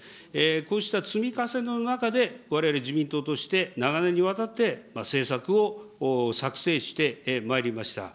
こうした積み重ねの中で、われわれ自民党として長年にわたって政策を作成してまいりました。